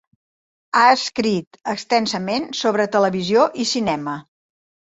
Ha escrit extensament sobre televisió i cinema.